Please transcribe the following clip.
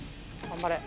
頑張れ。